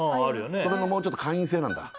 それのもうちょっと会員制なんだ。